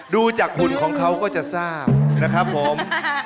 ดูจากหุ่นของเขาก็จะทราบนะครับผม